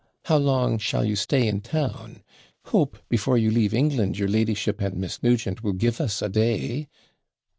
How long shall you stay in town! Hope, before you leave England, your Ladyship and Miss Nugent will give us a day?'